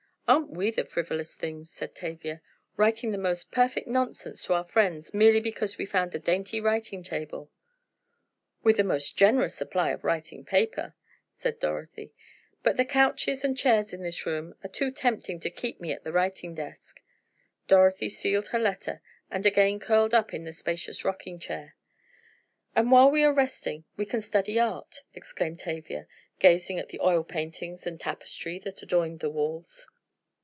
"Aren't we the frivolous things," said Tavia, "writing the most perfect nonsense to our friends merely because we found a dainty writing table!" "With the most generous supply of writing paper!" said Dorothy. "But the couches and chairs in this room are too tempting to keep me at the writing desk." Dorothy sealed her letter and again curled up in the spacious rocking chair. "And while we are resting, we can study art," exclaimed Tavia, gazing at the oil paintings and tapestry that adorned the walls.